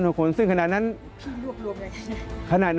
๒๐๐๐โนโลกรณ์ซึ่งขนาดนั้น